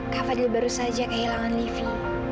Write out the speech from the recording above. ka fadil baru saja kehilangan livi